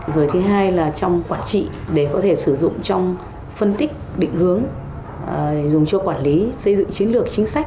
rồi thứ hai là trong quản trị để có thể sử dụng trong phân tích định hướng dùng cho quản lý xây dựng chiến lược chính sách